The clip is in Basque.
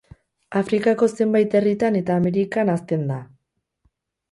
Afrikako zenbait herritan eta Amerikan hazten da.